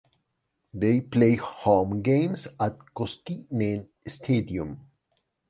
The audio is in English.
They play home games at Koskinen Stadium.